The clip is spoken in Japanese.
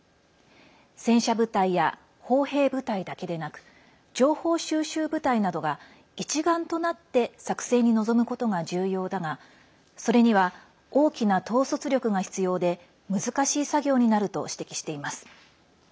戦車部隊や砲兵部隊だけでなく情報収集部隊などが一丸となって作戦に臨むことが重要だがそれには大きな統率力が必要で難しい作業になると指摘しています。